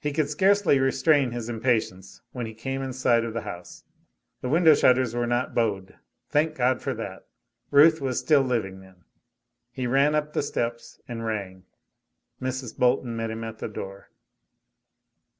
He could scarcely restrain his impatience when he came in sight of the house. The window shutters were not "bowed"; thank God, for that. Ruth was still living, then. He ran up the steps and rang. Mrs. Bolton met him at the door.